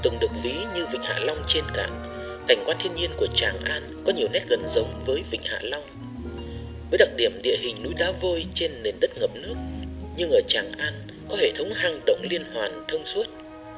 tường được ví như vịnh hạ long trên cảng cảnh quan thiên nhiên của trạng an có nhiều nét gần giống với vịnh hạ long với đặc điểm địa hình núi đá vôi trên nền đất ngập nước nhưng ở trạng an có hệ thống hang động liên hoàn thông suốt